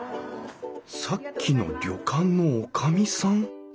さっきの旅館の女将さん！？